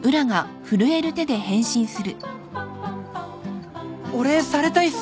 「お礼されたいっす！」